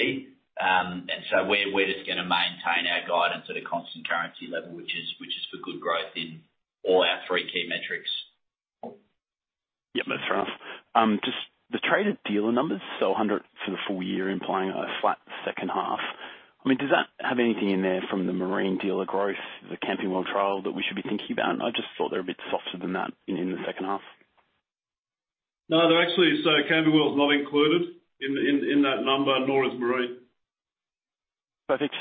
And so we're just gonna maintain our guidance at a constant currency level, which is for good growth in all our three key metrics. Yeah, that's fair enough. Just the traded dealer numbers, so 100 for the full year, implying a flat second half. I mean, does that have anything in there from the marine dealer growth, the Camping World trial, that we should be thinking about? I just thought they're a bit softer than that in the second half. No, they're actually... So Camping World's not included in that number, nor is Marine. Perfect.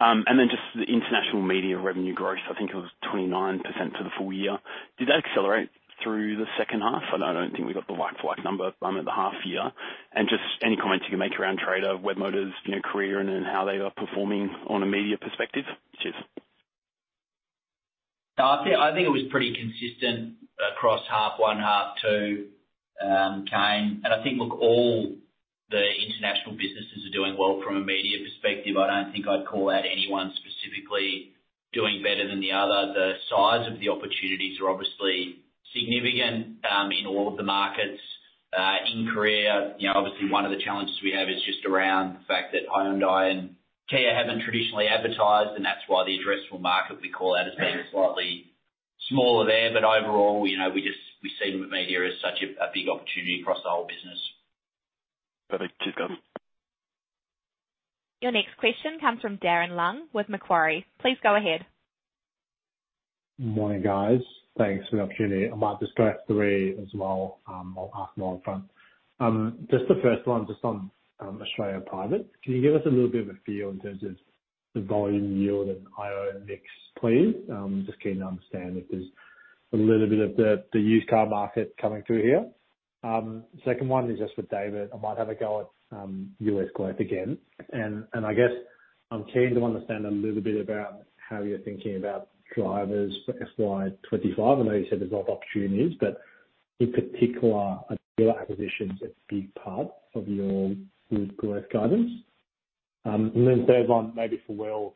And then just the international media revenue growth, I think it was 29% for the full year. Did that accelerate through the second half? I know I don't think we got the like-for-like number at the half year. And just any comments you can make around Trader, Webmotors, in Korea, and then how they are performing on a media perspective? Cheers. I think, I think it was pretty consistent across half one, half two, Kane. And I think, look, all the international businesses are doing well from a media perspective. I don't think I'd call out anyone specifically doing better than the other. The size of the opportunities are obviously significant in all of the markets. In Korea, you know, obviously one of the challenges we have is just around the fact that Hyundai and Kia haven't traditionally advertised, and that's why the addressable market we call out has been slightly smaller there. But overall, you know, we just, we see the media as such a big opportunity across the whole business. Perfect. Cheers, guys. Your next question comes from Darren Leung with Macquarie. Please go ahead. Morning, guys. Thanks for the opportunity. I might just go through as well, I'll ask more upfront. Just the first one, just on Australia Private. Can you give us a little bit of a feel in terms of the volume, yield, and IO mix, please? Just keen to understand if there's a little bit of the used car market coming through here. Second one is just for David. I might have a go at U.S. growth again. And I guess I'm keen to understand a little bit about how you're thinking about drivers for FY 2025. I know you said there's a lot of opportunities, but in particular, are dealer acquisitions a big part of your good growth guidance? And then third one, maybe for Will,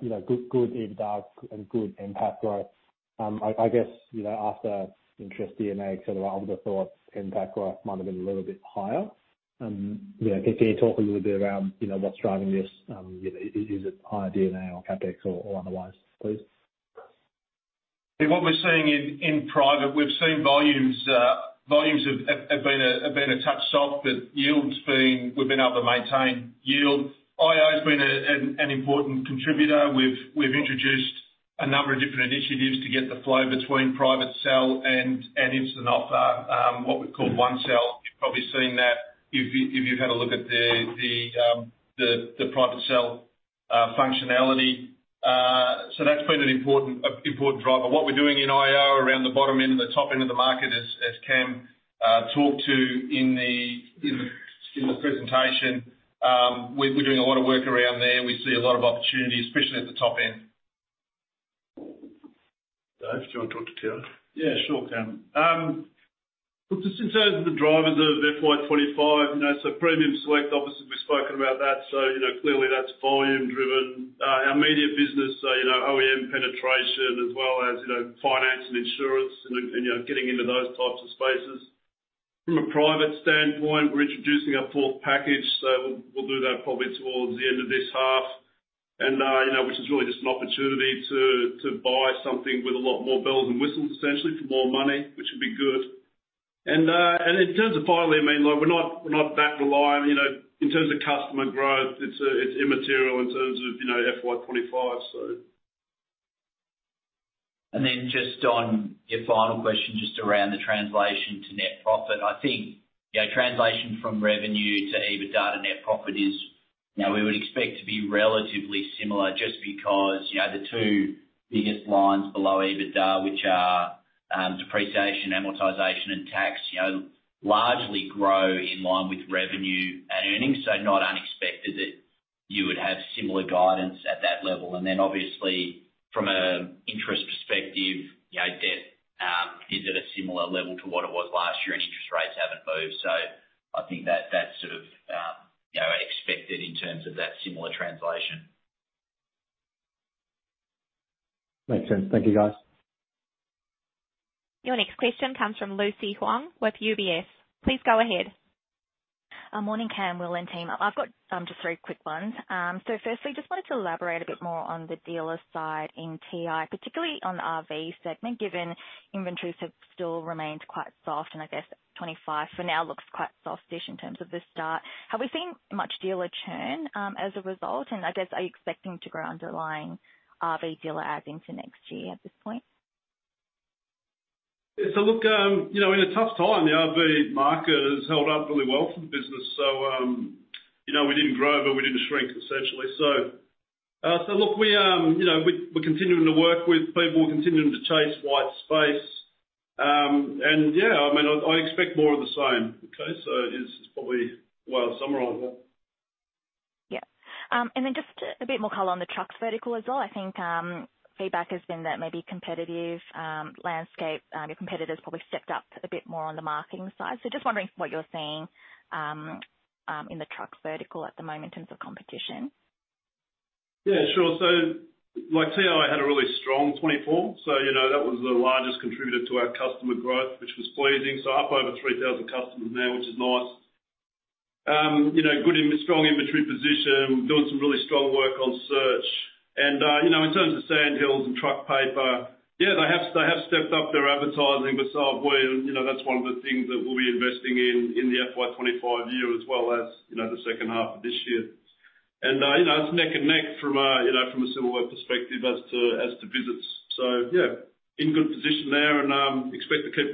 you know, good EBITDA and good NPAT growth. I guess, you know, after interest D&A accelerate, I would've thought NPAT growth might have been a little bit higher. You know, can you talk a little bit around, you know, what's driving this? Is it higher D&A or CapEx or otherwise, please? And what we're seeing in private, we've seen volumes have been a touch soft, but yield's been. We've been able to maintain yield. IO's been an important contributor. We've introduced a number of different initiatives to get the flow between private sell and into the offer, what we call OneSell. You've probably seen that if you've had a look at the private sell functionality. So that's been an important driver. What we're doing in IO around the bottom end and the top end of the market as Cam talked to in the presentation, we're doing a lot of work around there. We see a lot of opportunity, especially at the top end. Dave, do you want to talk to Darren? Yeah, sure, Cam. Well, just in terms of the drivers of FY 2025, you know, so Premium Select, obviously, we've spoken about that. So, you know, clearly that's volume driven. Our media business, so, you know, OEM penetration as well as, you know, finance and insurance and, and, you know, getting into those types of spaces. From a private standpoint, we're introducing our fourth package, so we'll, we'll do that probably towards the end of this half. And, you know, which is really just an opportunity to, to buy something with a lot more bells and whistles, essentially for more money, which would be good. And, and in terms of finally, I mean, like, we're not, we're not that reliant, you know, in terms of customer growth, it's, it's immaterial in terms of, you know, FY 2025, so. And then just on your final question, just around the translation to net profit. I think, you know, translation from revenue to EBITDA to net profit is... Now, we would expect to be relatively similar just because, you know, the two biggest lines below EBITDA, which are depreciation, amortization, and tax, you know, largely grow in line with revenue and earnings. So not unexpected that you would have similar guidance at that level. And then obviously from an interest perspective, you know, debt is at a similar level to what it was last year, and interest rates haven't moved. So I think that's, that's sort of, you know, expected in terms of that similar translation. Makes sense. Thank you, guys. Your next question comes from Lucy Huang with UBS. Please go ahead. Morning, Cam, Will, and team. I've got just three quick ones. So firstly, just wanted to elaborate a bit more on the dealer side in TI, particularly on the RV segment, given inventories have still remained quite soft, and I guess 25% for now looks quite softish in terms of the start. Have we seen much dealer churn as a result? And I guess, are you expecting to grow underlying RV dealer adds into next year at this point? So look, you know, in a tough time, the RV market has held up really well for the business. So, you know, we didn't grow, but we didn't shrink, essentially. So, so look, we, you know, we're, we're continuing to work with people, we're continuing to chase white space, and yeah, I mean, I, I expect more of the same. Okay? So it's, it's probably where I'll summarize that. Yeah. And then just a bit more color on the trucks vertical as well. I think, feedback has been that maybe competitive landscape, your competitors probably stepped up a bit more on the marketing side. So just wondering what you're seeing, in the trucks vertical at the moment in terms of competition. Yeah, sure. So like TI had a really strong 24, so, you know, that was the largest contributor to our customer growth, which was pleasing. So up over 3,000 customers now, which is nice. You know, good strong inventory position, doing some really strong work on search. And, you know, in terms of Sandhills and Truck Paper, yeah, they have, they have stepped up their advertising, but so have we, and, you know, that's one of the things that we'll be investing in in the FY 2025 year, as well as, you know, the second half of this year. And, you know, it's neck and neck from a, you know, from a similar perspective as to, as to visits. So yeah, in good position there and, expect to keep-